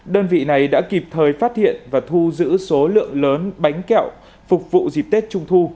đơn vị này đã kịp thời phát hiện và thu giữ số lượng lớn bánh kẹo phục vụ dịp tết trung thu